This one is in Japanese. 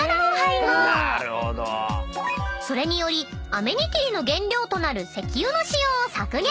［それによりアメニティーの原料となる石油の使用を削減］